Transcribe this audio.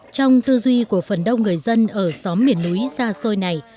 trong thư duy của phần đông người dân ở xóm miền núi xa xôi này